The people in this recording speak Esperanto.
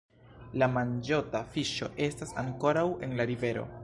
La manĝota fiŝo estas ankoraŭ en la rivero.